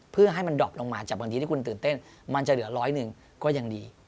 เพื่อให้มันดอบลงมาจากบางทีที่คุณตื่นเต้นมันจะเหลือร้อยหนึ่งก็ยังดี